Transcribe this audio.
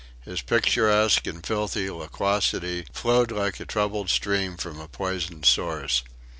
His picturesque and filthy loquacity flowed like a troubled stream from a poisoned source.